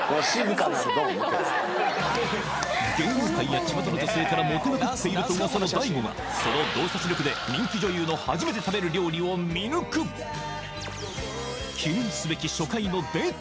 芸能界やちまたの女性からモテまくっていると噂の大悟がその洞察力で人気女優の初めて食べる料理を見抜く記念すべき初回のデート